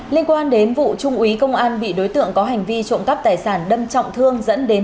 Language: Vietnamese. liên quan đến vụ trung úy công an bị đối tượng có hành vi trộm cắp tài sản đâm trọng thương dẫn đến